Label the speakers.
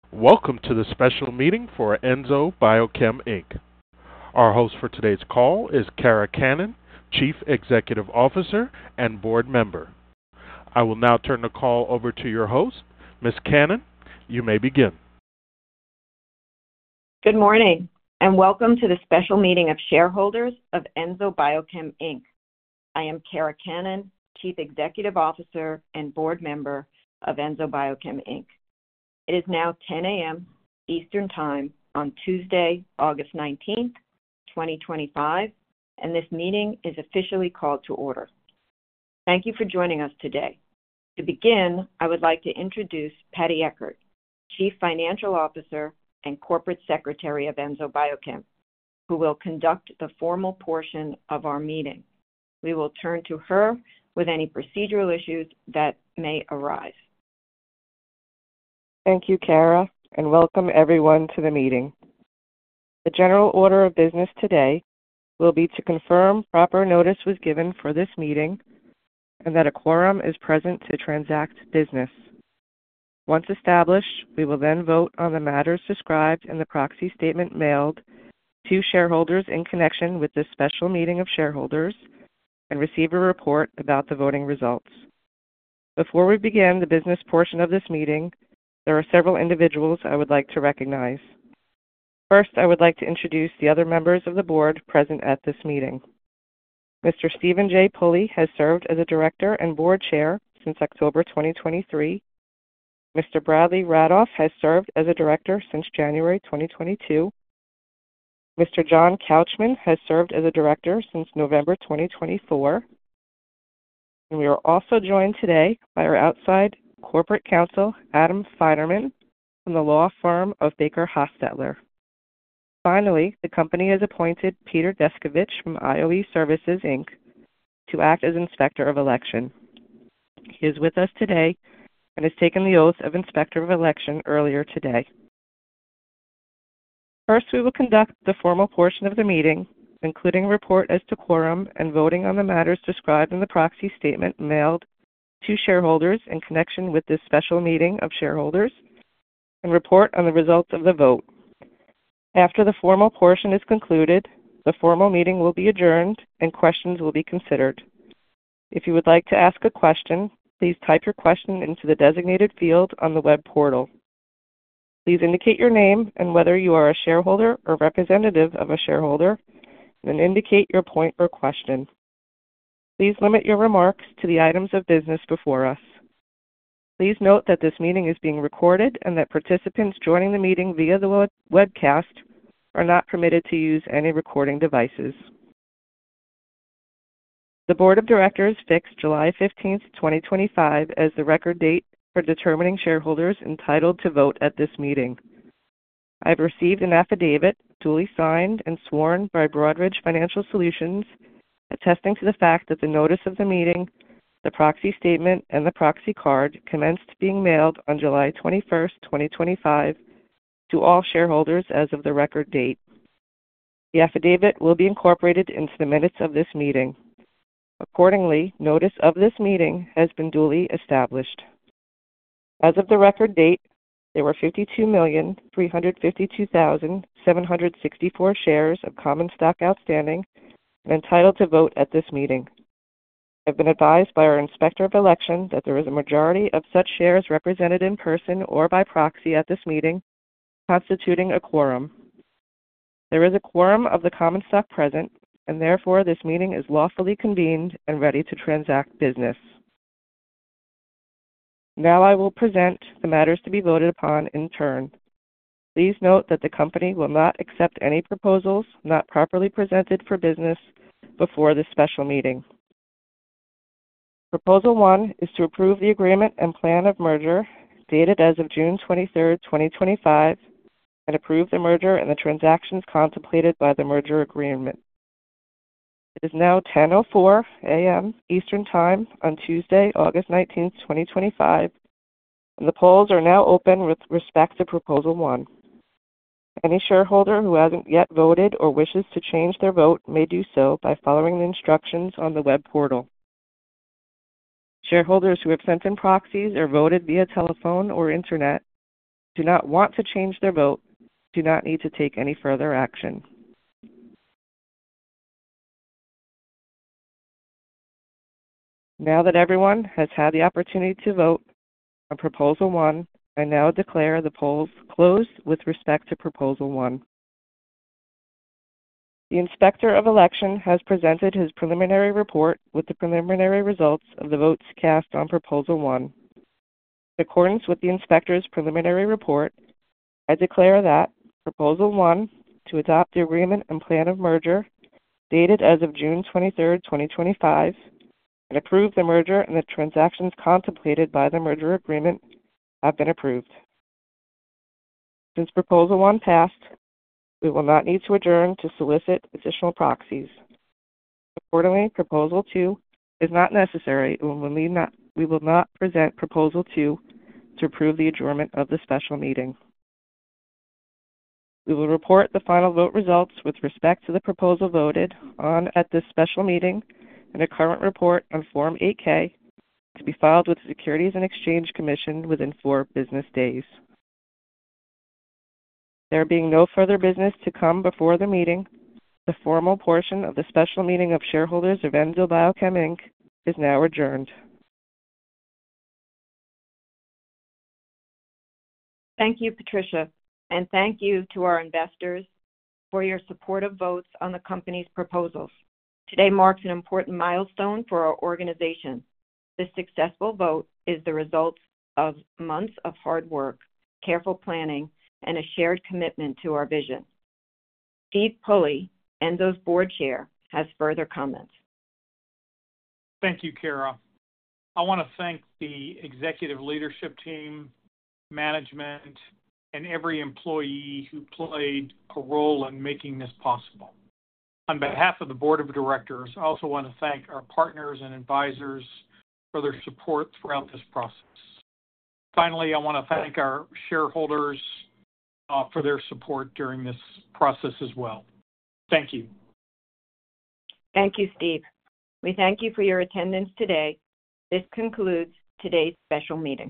Speaker 1: Welcome to the special meeting for Enzo Biochem Inc. Our host for today's call is Kara Cannon, Chief Executive Officer and Board Member. I will now turn the call over to your host, Ms. Cannon. You may begin.
Speaker 2: Good morning and welcome to the special meeting of shareholders of Enzo Biochem Inc. I am Kara Cannon, Chief Executive Officer and Board Member of Enzo Biochem Inc. It is now 10:00 A.M. Eastern Time on Tuesday, August 19th, 2025, and this meeting is officially called to order. Thank you for joining us today. To begin, I would like to introduce Patricia Eckert, Chief Financial Officer and Corporate Secretary of Enzo Biochem, who will conduct the formal portion of our meeting. We will turn to her with any procedural issues that may arise.
Speaker 3: Thank you, Kara, and welcome everyone to the meeting. The general order of business today will be to confirm proper notice was given for this meeting and that a quorum is present to transact business. Once established, we will then vote on the matters described in the proxy statement mailed to shareholders in connection with this special meeting of shareholders and receive a report about the voting results. Before we begin the business portion of this meeting, there are several individuals I would like to recognize. First, I would like to introduce the other members of the Board present at this meeting. Mr. Steven J. Pully has served as a Director and Board Chair since October 2023. Mr. Bradley Radolph has served as a Director since January 2022. Mr. John Couchman has served as a Director since November 2024. We are also joined today by our outside corporate counsel, Adam Finerman, from the law firm of BakerHostetler. Finally, the company has appointed Peter Descovich from IOE Services Inc. to act as Inspector of Election. He is with us today and has taken the oath of Inspector of Election earlier today. First, we will conduct the formal portion of the meeting, including a report as to quorum and voting on the matters described in the proxy statement mailed to shareholders in connection with this special meeting of shareholders, and report on the result of the vote. After the formal portion is concluded, the formal meeting will be adjourned and questions will be considered. If you would like to ask a question, please type your question into the designated field on the web portal. Please indicate your name and whether you are a shareholder or representative of a shareholder, and then indicate your point or question. Please limit your remarks to the items of business before us. Please note that this meeting is being recorded and that participants joining the meeting via the webcast are not permitted to use any recording devices. The Board of Directors picks July 15th, 2025, as the record date for determining shareholders entitled to vote at this meeting. I have received an affidavit, duly signed and sworn by Broadridge Financial Solutions, attesting to the fact that the notice of the meeting, the proxy statement, and the proxy card commenced being mailed on July 21st, 2025, to all shareholders as of the record date. The affidavit will be incorporated into the minutes of this meeting. Accordingly, notice of this meeting has been duly established. As of the record date, there were 52,352,764 shares of common stock outstanding and entitled to vote at this meeting. I've been advised by our Inspector of Election that there is a majority of such shares represented in person or by proxy at this meeting, constituting a quorum. There is a quorum of the common stock present, and therefore this meeting is lawfully convened and ready to transact business. Now I will present the matters to be voted upon in turn. Please note that the company will not accept any proposals not properly presented for business before this special meeting. Proposal one is to approve the Agreement and Plan of Merger dated as of June 23rd, 2025, and approve the merger and the transactions contemplated by the merger agreement. It is now 10:04 A.M. Eastern Time on Tuesday, August 19, 2025, and the polls are now open with respect to proposal one. Any shareholder who hasn't yet voted or wishes to change their vote may do so by following the instructions on the web portal. Shareholders who have sent in proxies or voted via telephone or internet and do not want to change their vote do not need to take any further action. Now that everyone has had the opportunity to vote on proposal one, I now declare the polls closed with respect to proposal one. The Inspector of Election has presented his preliminary report with the preliminary results of the votes cast on proposal one. In accordance with the Inspector's preliminary report, I declare that proposal one to adopt the Agreement and Plan of Merger dated as of June 23rd, 2025, and approve the merger and the transactions contemplated by the merger agreement have been approved. Since proposal one passed, we will not need to adjourn to solicit additional proxies. Accordingly, proposal two is not necessary, and we will not present proposal two to approve the adjournment of the special meeting. We will report the final vote results with respect to the proposal voted on at this special meeting in a current report on Form 8-K to be filed with the Securities and Exchange Commission within four business days. There being no further business to come before the meeting, the formal portion of the special meeting of shareholders of Enzo Biochem Inc. is now adjourned.
Speaker 2: Thank you, Patricia, and thank you to our investors for your supportive votes on the company's proposals. Today marks an important milestone for our organization. This successful vote is the result of months of hard work, careful planning, and a shared commitment to our vision. Steve Pully, Enzo's Board Chair, has further comments.
Speaker 4: Thank you, Kara. I want to thank the executive leadership team, management, and every employee who played a role in making this possible. On behalf of the Board of Directors, I also want to thank our partners and advisors for their support throughout this process. Finally, I want to thank our shareholders for their support during this process as well. Thank you.
Speaker 2: Thank you, Steve. We thank you for your attendance today. This concludes today's special meeting.